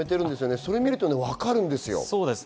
それを見ると分かるんです